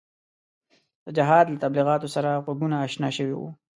د جهاد له تبلیغاتو سره غوږونه اشنا شوي وو.